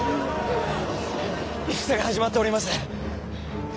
戦が始まっております。